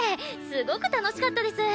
すごく楽しかったです。